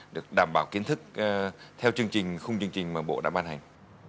được đảm bảo kiến thức theo chương trình khung chương trình mà bộ đã ban hành